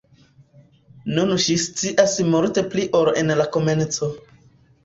Nun ŝi scias multe pli ol en la komenco.